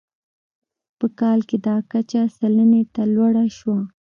په کال کې دا کچه سلنې ته لوړه شوه.